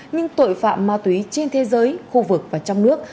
nhưng tội phạm ma túy trên thế giới khu vực và trong nước